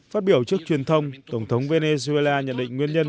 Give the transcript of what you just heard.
phát biểu trước truyền thông tổng thống venezuela nhận định nguyên nhân